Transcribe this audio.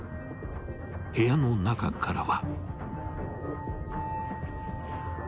部屋の中からは］